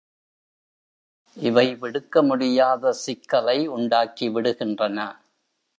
இவை விடுக்க முடியாத சிக்கலை உண்டாக்கி விடுகின்றன.